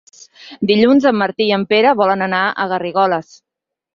Dilluns en Martí i en Pere volen anar a Garrigoles.